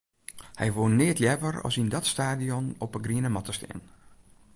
Hy woe neat leaver as yn dat stadion op 'e griene matte stean.